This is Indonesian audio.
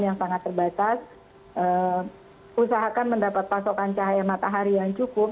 yang sangat terbatas usahakan mendapat pasokan cahaya matahari yang cukup